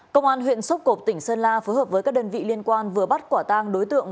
công an huyện sốp cộp tỉnh sơn la phối hợp với các đơn vị liên quan vừa bắt quả tang đối tượng